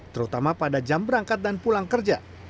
terutama pada jam berangkat dan pulang kerja